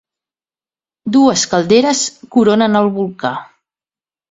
Dues calderes coronen el volcà.